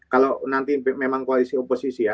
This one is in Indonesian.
kalau nanti memang koalisi oposisi ya